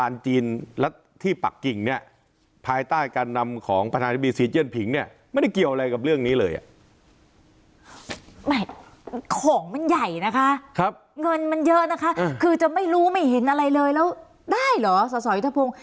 ของมันใหญ่นะคะเงินมันเยอะนะคะคือจะไม่รู้ไม่เห็นอะไรเลยแล้วได้เหรอสอสอยุทธพงศ์